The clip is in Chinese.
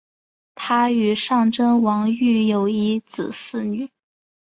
她与尚贞王育有一子四女。